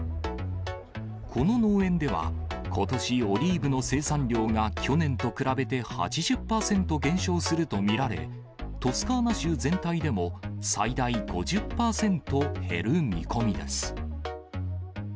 この農園では、ことし、オリーブの生産量が去年と比べて８０％減少すると見られ、トスカーナ州全体でも、最大５０％減る見込みです。